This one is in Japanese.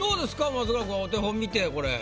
松倉君お手本見てこれ。